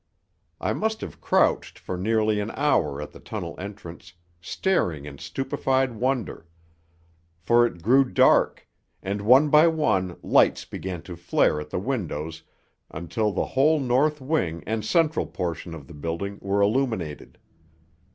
I must have crouched for nearly an hour at the tunnel entrance, staring in stupefied wonder for it grew dark, and one by one lights began to flare at the windows until the whole north wing and central portion of the building were illuminated.